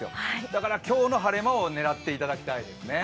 だから今日の晴れ間を狙っていただきたいですね。